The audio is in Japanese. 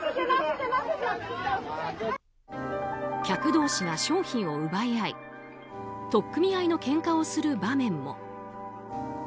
客同士が商品を奪い合い取っ組み合いのけんかをする場面も。